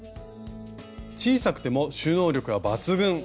小さくても収納力は抜群！